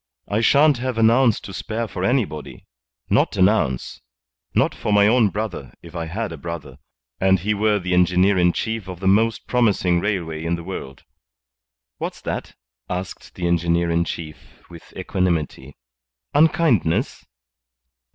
"I shan't have an ounce to spare for anybody. Not an ounce. Not for my own brother, if I had a brother, and he were the engineer in chief of the most promising railway in the world." "What's that?" asked the engineer in chief, with equanimity. "Unkindness?"